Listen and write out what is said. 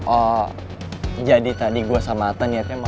oh jadi tadi gue sama aten niatnya mau